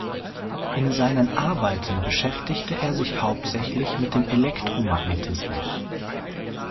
In seinen Arbeiten beschäftigte er sich hauptsächlich mit dem Elektromagnetismus.